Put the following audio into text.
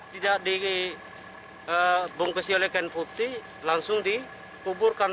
tidak dibungkusi oleh kain putih langsung dikuburkan